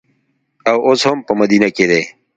او اوس هم په مدینه کې دي.